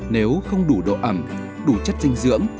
nếu không đủ đồ ẩm đủ chất dinh dưỡng